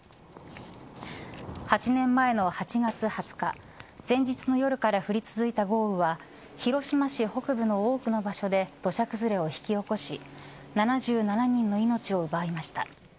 ８年前の８月２０日前日の夜から降り続いた豪雨は広島市北部の多くの場所で土砂崩れを引き起こし７７人の命を奪いました。